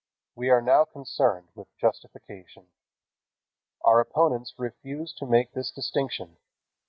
We are now concerned with justification. Our opponents refuse to make this distinction.